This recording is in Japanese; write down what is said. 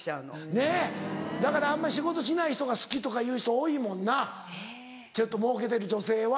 ねぇだからあんま仕事しない人が好きとかいう人多いもんなもうけてる女性は。